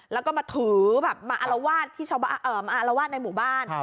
แล้วก็มาถือมาอารวาสในหมู่บ้าน